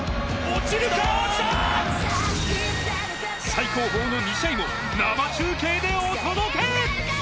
最高峰の２試合も生中継でお届け。